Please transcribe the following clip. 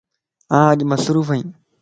آن اڄ مصروف ائين